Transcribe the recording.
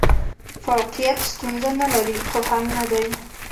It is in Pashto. فوقیت ستونزه نه لري، خو حل نه دی.